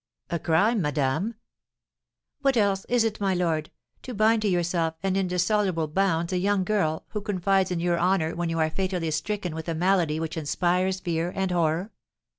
"A crime, madame?" "What else is it, my lord, to bind to yourself in indissoluble bonds a young girl, who confides in your honour, when you are fatally stricken with a malady which inspires fear and horror?